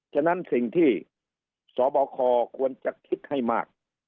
ฉะนั้นสิ่งที่สบคควรจะคิดให้มาก